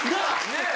ねえ。